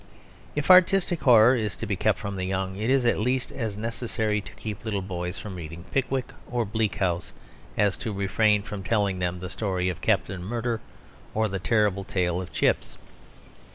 If artistic horror is to be kept from the young, it is at least as necessary to keep little boys from reading Pickwick or Bleak House as to refrain from telling them the story of Captain Murderer or the terrible tale of Chips.